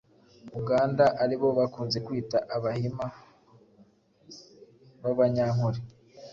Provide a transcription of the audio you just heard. Uganda aribo bakunze kwita “Abahima b’Abanyankole”.